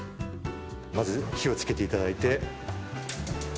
まず火を付けていただいて。